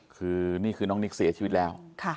คือนี่คือน้องนิกเสียชีวิตแล้ว